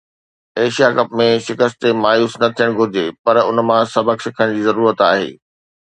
Asia cup ۾ شڪست تي مايوس نه ٿيڻ گهرجي پر ان مان سبق سکڻ جي ضرورت آهي